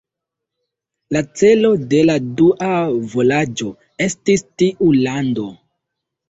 La celo de la dua vojaĝo estis tiu lando.